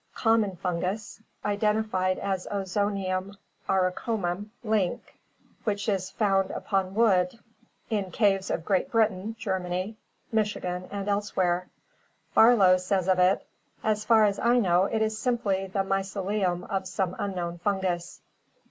Common fungus, identified as Ozonium auricomum Link { Byssus aurantiaca) which is also found upon wood in caves of Great Britain, Germany, Michigan, and elsewhere. Farlow says of it: "As far as I know it is simply the mycelium of some un known fungus."